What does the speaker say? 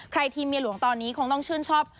ทีมเมียหลวงตอนนี้คงต้องชื่นชอบ